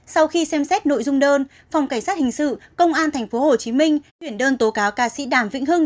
sau khi xem xét nội dung đơn phòng cảnh sát hình sự công an tp hcm viện đơn tố cáo ca sĩ đàm vĩnh hưng